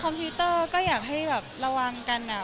พิวเตอร์ก็อยากให้แบบระวังกัน